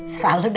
sera lu dah